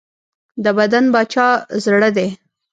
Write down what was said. د بدن باچا زړه دی.